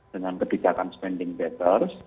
dengan kebijakan spending betters